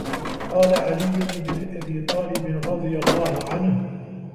قَالَ عَلِيُّ بْنُ أَبِي طَالِبٍ رَضِيَ اللَّهُ عَنْهُ